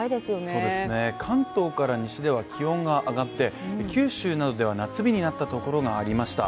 そうですね、関東から西では気温が上がって九州などでは夏日になったところがありました。